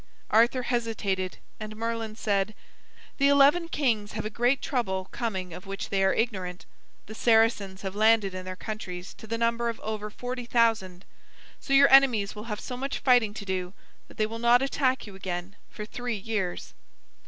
Arthur hesitated and Merlin said: "The eleven kings have a great trouble coming of which they are ignorant. The Saracens have landed in their countries to the number of over forty thousand. So your enemies will have so much fighting to do that they will not attack you again for three years."